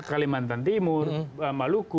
kalimantan timur maluku